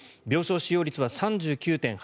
病床使用率は３９．８％。